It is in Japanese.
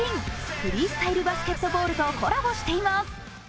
フリースタイルバスケットボールとコラボしています。